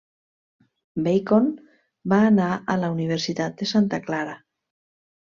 Bacon va anar a la Universitat de Santa Clara.